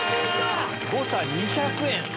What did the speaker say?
誤差２００円。